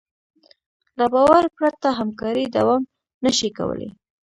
له باور پرته همکاري دوام نهشي کولی.